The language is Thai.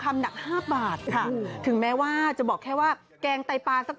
คำหนักห้าบาทค่ะถึงแม่ว่าจะบอกแค่ว่าแกงไตปาสัก